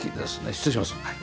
失礼します。